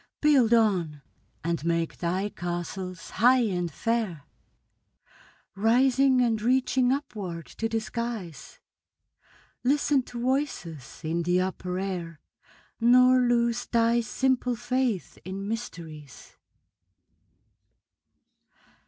Build on, and make thy castles high and fair, Rising and reaching upward to the skies; Listen to voices in the upper air, Nor lose thy simple faith in mysteries.